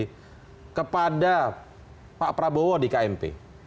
tapi kepada pak prabowo di kmp